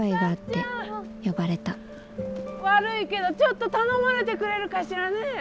悪いけどちょっと頼まれてくれるかしらねえ。